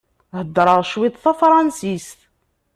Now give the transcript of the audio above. Heddṛeɣ cwiṭ tafṛansist.